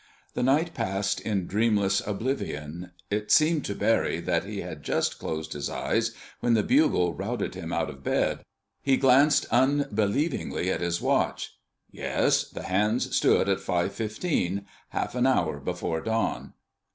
The night passed in dreamless oblivion. It seemed to Barry that he had just closed his eyes when the bugle routed him out of bed. He glanced unbelievingly at his watch. Yes, the hands stood at five fifteen—half an hour before dawn!